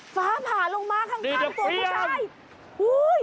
ฟ้าผ่าลงมาข้างตัวผู้ชาย